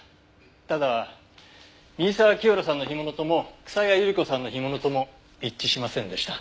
ただ水沢キヨラさんの干物とも草谷ゆり子さんの干物とも一致しませんでした。